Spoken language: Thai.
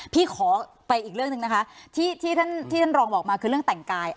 พี่ขอไปอีกเรื่องหนึ่งนะคะที่ท่านรองบอกมาคือเรื่องแต่งกาย